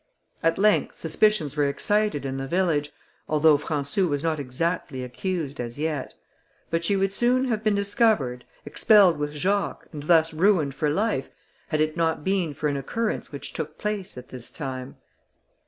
At length suspicions were excited in the village, although Françou was not exactly accused as yet; but she would soon have been discovered, expelled with Jacques, and thus ruined for life, had it not been for an occurrence which took place at this time.